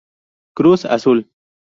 Cruz Azul.